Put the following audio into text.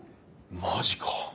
マジか。